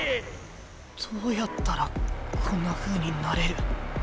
どうやったらこんなふうになれる？